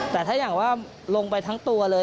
แต่ถ้าอย่างว่าลงไปทั้งตัวเลย